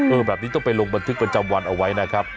แบบนี้ต้องไปลงบันทึกประจำวันเอาไว้นะครับ